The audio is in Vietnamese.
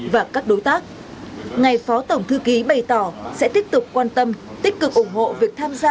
và các đối tác ngày phó tổng thư ký bày tỏ sẽ tiếp tục quan tâm tích cực ủng hộ việc tham gia